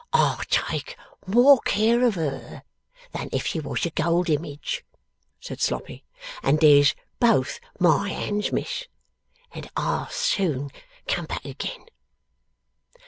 'I'll take more care of her than if she was a gold image,' said Sloppy, 'and there's both MY hands, Miss, and I'll soon come back again.